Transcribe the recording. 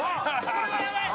これはやばい！